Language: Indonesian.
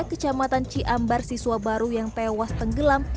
kecamatan ciambar siswa baru yang tewas tenggelam